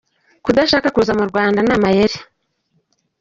Kudashaka kuza mu Rwanda ni amayeri….